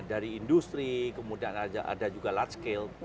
dari industri kemudian ada juga light scale